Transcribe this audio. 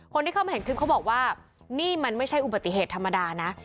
คนที่เข้ามาเห็นคลิปเขาบอกว่านี่มันไม่ใช่อุบัติเหตุธรรมดานะ